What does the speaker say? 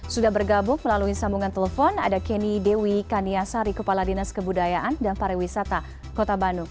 sudah bergabung melalui sambungan telepon ada kenny dewi kaniasari kepala dinas kebudayaan dan pariwisata kota bandung